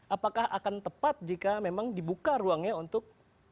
apakah akan tepat jika memang dibuka ruangnya untuk